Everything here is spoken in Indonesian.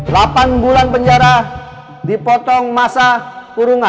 delapan bulan penjara dipotong masa kurungan